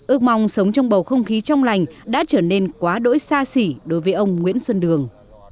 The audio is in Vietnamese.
ước mong sống trong bầu không khí trong lành đã trở nên quá đỗi xa xỉ đối với ông nguyễn xuân đường